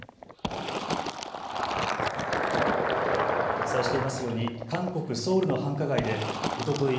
お伝えしていますように韓国・ソウルの繁華街でおととい